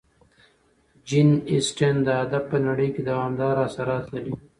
جین اسټن د ادب په نړۍ کې دوامداره اثرات لري.